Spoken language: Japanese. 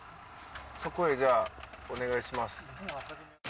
そこへじゃあお願いします。